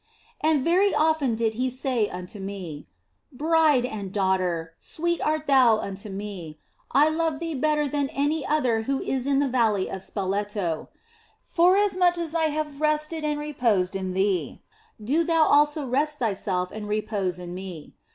And very often did He say unto me :" Bride and daughter, sweet art thou unto Me, I love thee better OF FOLIGNO 161 than any other who is in the valley of Spoleto. Foras much as I have rested and reposed in thee, do thou also rest thyself and repose in Me.